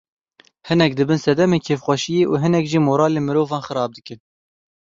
Hinek dibin sedemên kêfxweşiyê û hinek jî moralên mirovan xera dikin.